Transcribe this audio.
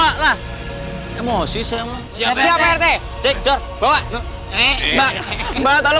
kamu harus berhati hati